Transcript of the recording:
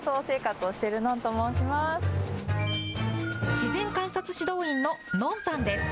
自然観察指導員ののんさんです。